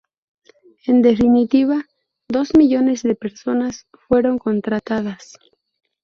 En definitiva, dos millones de personas fueron contratadas.